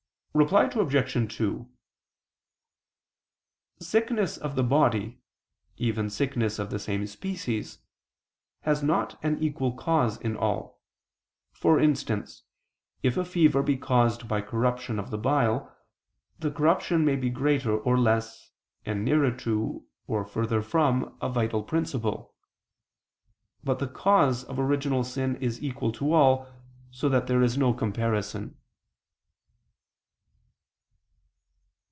Reply Obj. 2: Sickness of the body, even sickness of the same species, has not an equal cause in all; for instance if a fever be caused by corruption of the bile, the corruption may be greater or less, and nearer to, or further from a vital principle. But the cause of original sin is equal to all, so that there is no comparison.